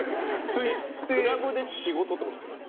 クラブで仕事ってことですか？